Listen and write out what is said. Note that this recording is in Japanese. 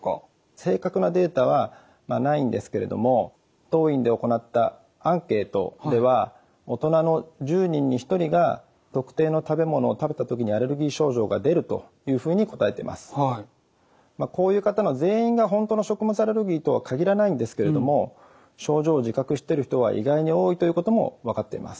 正確なデータはないんですけれども当院で行ったアンケートではこういう方の全員が本当の食物アレルギーとは限らないんですけれども症状を自覚している人は意外に多いということも分かっています。